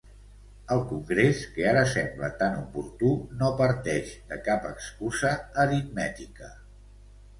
El congrés, que ara sembla tan oportú, no parteix de cap excusa aritmètica.